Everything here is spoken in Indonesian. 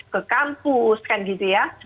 ke kampus kan gitu ya